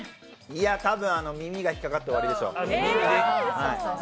いや、多分耳が引っかかって終わりでしょう。